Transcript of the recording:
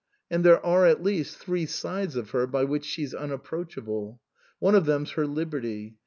And there are, at least, three sides of her by which she's unapproachable. One of them's her liberty.